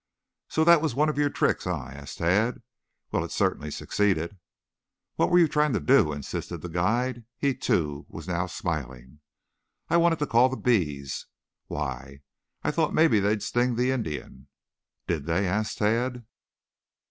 "So that was one of your tricks, eh?" asked Tad. "Well, it certainly succeeded." "What were you trying to do?" insisted the guide. He too was now smiling. "I I wanted to call the bees." "Why?" "I I thought maybe they'd sting the Indian." "Did they?" asked Tad.